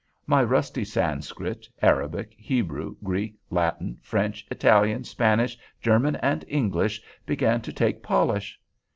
My rusty Sanskrit, Arabic, Hebrew, Greek, Latin, French, Italian, Spanish, German and English began to take polish.